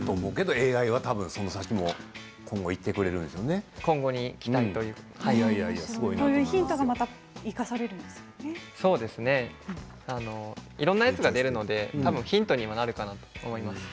ＡＩはそこから先もヒントがまたいろんなやつが出るのでヒントにはなるかなと思います。